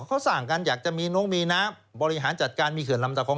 เขาสร้างกันอยากจะมีน้องมีน้ำบริหารจัดการมีเขื่อนลำตะคอง